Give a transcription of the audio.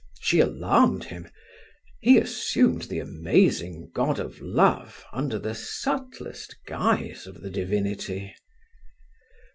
She alarmed him; he assumed the amazing god of love under the subtlest guise of the divinity.